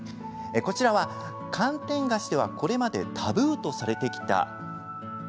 こちらは寒天菓子ではこれまでタブーとされてきた。